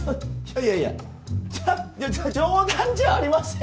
いやいやちょっじょ冗談じゃありません